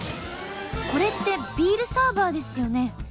これってビールサーバーですよね。